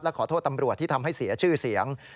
ขอโทษตำรวจที่ทำให้เสียชื่อเสียง